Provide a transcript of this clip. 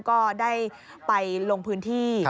ก็ได้ไปลงพื้นที่